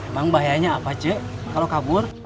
emang bahayanya apa cek kalau kabur